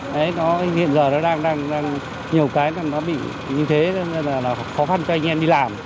hiện giờ nó đang nhiều cái nó bị như thế nên là khó khăn cho anh em đi làm